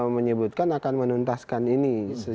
menyebutkan akan menuntaskan ini